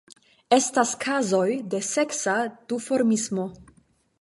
Estas kazoj de seksa duformismo.